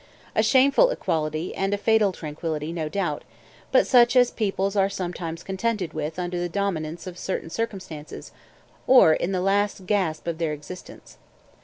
A shameful equality and a fatal tranquillity, no doubt; but such as peoples are sometimes contented with under the dominance of certain circumstances, or in the last gasp of their existence.